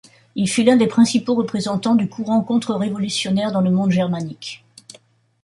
Il fut l'un des principaux représentants du courant contre-révolutionnaire dans le monde germanique.